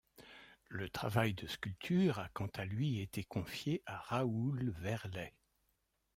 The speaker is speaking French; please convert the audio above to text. Le travail de sculpture a, quant à lui, été confié à Raoul Verlet.